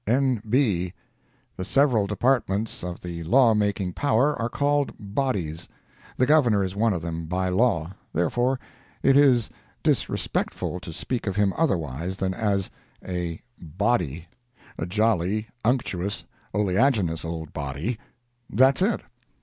N.B.—The several departments of the law making power are called Bodies. The Governor is one of them, by law—therefore it is disrespectful to speak of him otherwise than as a Body—a jolly, unctuous, oleaginous old Body. That's it.